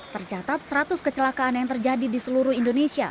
tercatat seratus kecelakaan yang terjadi di seluruh indonesia